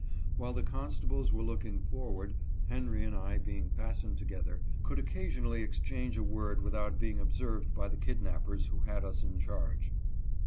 While the constables were looking forward, Henry and I being fastened together, could occasionally exchange a word without being observed by the kidnappers who had us in charge.